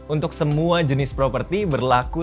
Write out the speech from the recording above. untuk semua jenis properti berlaku